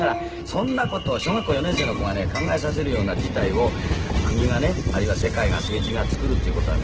そんな事を小学校４年生の子がね考えさせるような事態を国がねあるいは世界が政治が作るっていう事はね